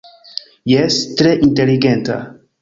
Jes, tre inteligenta!